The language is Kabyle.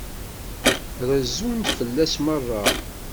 Rezzun-d fell-as merra.